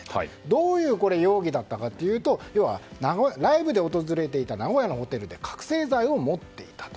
どういう容疑だったかというとライブで訪れた名古屋のホテルで覚醒剤を持っていたと。